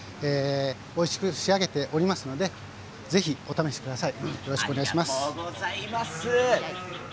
おいしく仕上げておりますのでぜひお試しください。